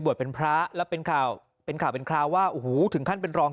เป็นพระแล้วเป็นข่าวเป็นข่าวเป็นคราวว่าโอ้โหถึงขั้นเป็นรอง